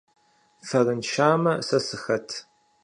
Фэрыншамэ, сэ сыхэт?